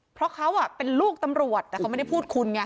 เพราะเขาเป็นลูกตำรวจแต่เขาไม่ได้พูดคุณไง